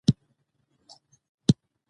د پوهې او عمل یوځای کول پرمختګ تضمینوي.